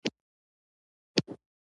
کرنه د روغتیا لپاره سالم خواړه تولیدوي.